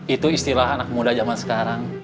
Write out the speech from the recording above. itu istilah anak muda zaman sekarang